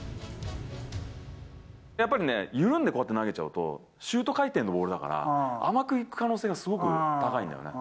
やっぱりね、緩んでこうやって投げちゃうと、シュート回転のボールだから、甘くいく可能性がすごく高いんだよね。